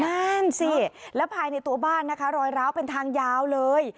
นั่นสิแล้วภายในตัวบ้านนะคะรอยร้าวเป็นทางยาวเลย